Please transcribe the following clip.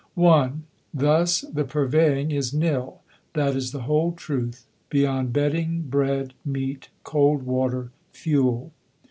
(1) Thus the Purveying is nil that is the whole truth, beyond bedding, bread, meat, cold water, fuel.